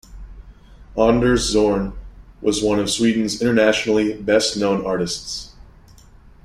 Anders Zorn was one of Sweden's internationally best known artists.